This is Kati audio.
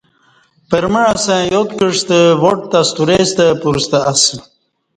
پرمع اسݩ یاد کعستہ واٹ تہ سترے ستہ پورستہ اسہ